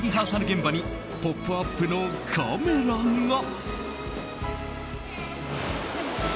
現場に「ポップＵＰ！」のカメラが。